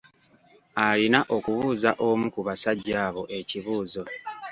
Alina okubuuza omu ku basajja abo ekibuuzo.